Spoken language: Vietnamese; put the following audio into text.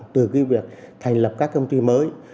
từ việc thành lập các công ty mới